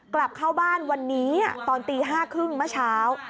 กลับเข้าบ้านวันนี้ตอนตี๕๓๐เมื่อเช้า